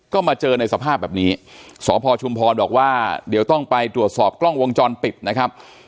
ก็มาเจอในสภาพแบบนี้สพชุมพรบอกว่าเดี๋ยวต้องไปตรวจสอบกล้องวงจรปิดนะครับ